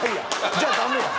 じゃダメやん。